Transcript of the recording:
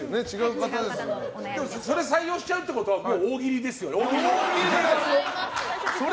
それ採用しちゃうってことは大喜利ですよね？